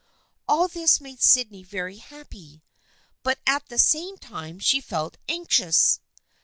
All this made Sydney very happy, but at the same time she felt anxious.